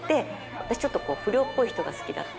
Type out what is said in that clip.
私ちょっとこう、不良っぽい人が好きだった。